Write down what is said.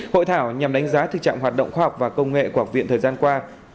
hội thảo nhằm đánh giá thực trạng hoạt động khoa học và công nghệ của học viện thời gian qua